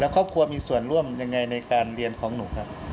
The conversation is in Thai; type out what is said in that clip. ครอบครัวมีส่วนร่วมยังไงในการเรียนของหนูครับ